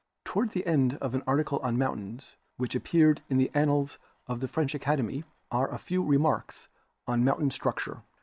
Toward the end of an article on mountains, which ap peared in the Annales of the French Academy, are a few remarks on mountain structure.